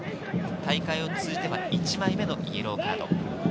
大会を通じては１枚目のイエローカード。